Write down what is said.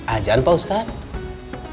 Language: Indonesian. ajan pak ustadz